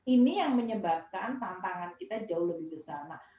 ini yang menyebabkan tantangan kita jauh lebih besar